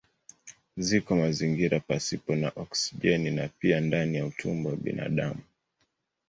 Ziko mazingira pasipo na oksijeni na pia ndani ya utumbo wa binadamu.